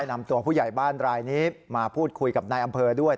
นำตัวผู้ใหญ่บ้านรายนี้มาพูดคุยกับนายอำเภอด้วย